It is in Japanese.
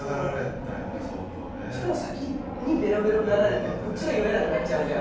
しかも先にべろべろになられてこっちが酔えなくなっちゃうんだよ。